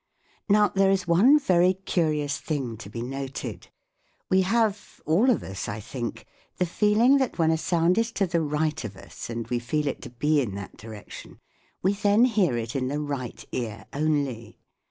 Now there is one very curious thing to be noted. We have, all of us I think, the feeling that when a sound is to the right of us and we feel it to be in that direction, we then hear it in the right ear only.